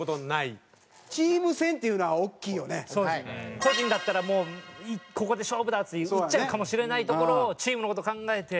個人だったらもうここで勝負だ！って打っちゃうかもしれないところをチームの事を考えて。